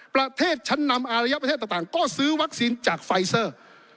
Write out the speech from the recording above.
ประเทศชั้นนำอารยประเทศต่างก็ซื้อวัคซีนจากไฟเซอร์